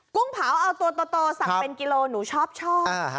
กุ้งเผาเอาตัวสั่งเป็นกิโลกรัมหนูชอบชอบ